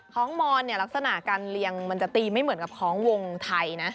ของมอนเนี่ยลักษณะการเรียงมันจะตีไม่เหมือนกับของวงไทยนะ